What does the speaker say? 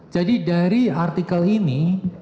jadi dari artikel ini